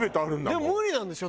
でも無理なんでしょ？